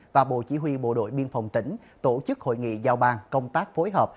và bộ chỉ huy bộ đội biên phòng tỉnh tổ chức hội nghị giao ban công tác phối hợp